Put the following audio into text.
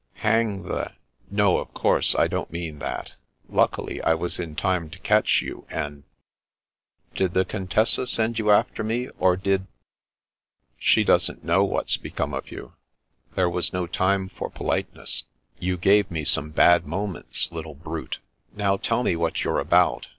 "Hang the — ^no, of course, I don't mean that. Luckily I was in time to catch you, and "" Did the Contessa send you after me, or did "" She doesn't know what's become of you. There was no time for politenesses. You gave me some bad moments, little brute. Now, tell me what you're about."